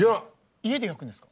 家で焼くんですか？